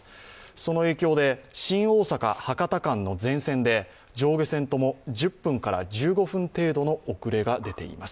その影響で新大阪−博多間の全線で上下線とも１０分から１５分程度の遅れが出ています。